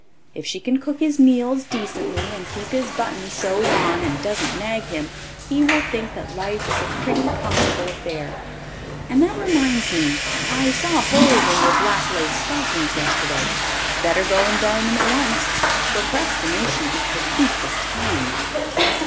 If she can cook his meals decently and keep his buttons sewed on and doesn't nag him he will think that life is a pretty comfortable affair. And that reminds me, I saw holes in your black lace stockings yesterday. Better go and darn them at once. 'Procrastination is the thief of time.'"